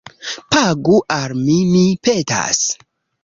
Pagu al mi, mi petas